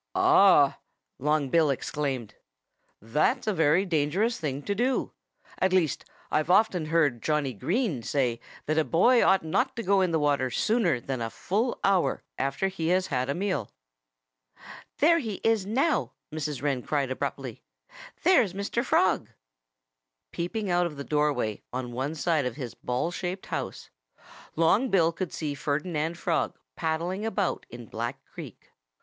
"Ah!" Long Bill exclaimed. "That's a very dangerous thing to do. At least, I've often heard Johnnie Green say that a boy ought not to go in the water sooner than a full hour after he has had a meal." "There he is now!" Mrs. Wren cried abruptly. "There's Mr. Frog!" Peeping out of the doorway on one side of his ball shaped house, Long Bill could see Ferdinand Frog paddling about in Black Creek.